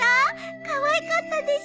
かわいかったでしょ？